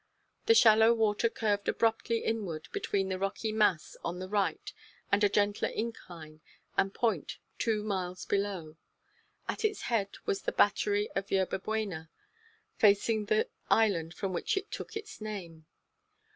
The shallow water curved abruptly inward between the rocky mass on the right and a gentler incline and point two miles below. At its head was the "Battery of Yerba Buena," facing the island from which it took its name.